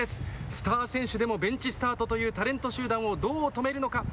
スター選手でもベンチスタートというタレント集団をどう止めるのか。